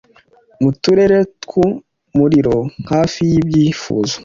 Mu turere tw'umuriro, Hafi y'ibyifuzo;